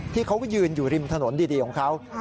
ที่เขายืนอยู่ริมถนนดีของเขา